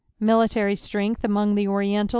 (Military strength among the Oriental!)